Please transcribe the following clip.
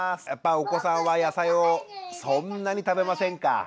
やっぱお子さんは野菜をそんなに食べませんか？